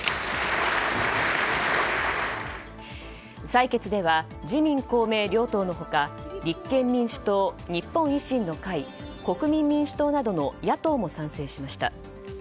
採決では自民・公明両党の他立憲民主党、日本維新の会国民民主党などの野党も賛成しました。